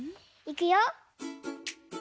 いくよ。